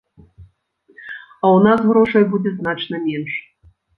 А ў нас грошай будзе значна менш.